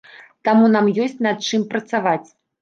Таму нам ёсць над чым працаваць.